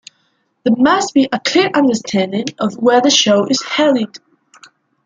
There must be a clear understanding of where the show is headed.